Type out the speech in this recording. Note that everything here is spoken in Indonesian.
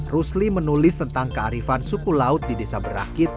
rusli menulis tentang kearifan suku laut di desa berakit